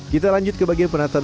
kita lanjut ke bagian penataan